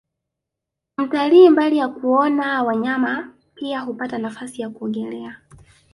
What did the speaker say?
Mtalii mbali ya kuona wanyama pia huapata nafasi ya kuogelea